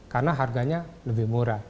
karena harganya lebih murah